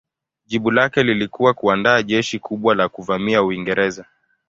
Jibu lake lilikuwa kuandaa jeshi kubwa la kuvamia Uingereza.